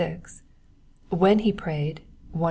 When he prayed (147).